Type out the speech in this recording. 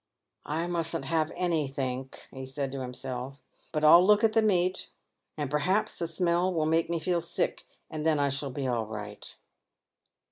"I mustn't have anythink," he said to himself; "but I'll look at the meat, and perhaps the smell will make me feel sick, and then I shall be all right."